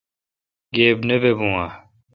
گیب نہ بہ بو اؘ۔